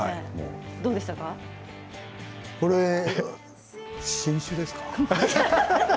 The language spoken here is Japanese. これは新種ですか？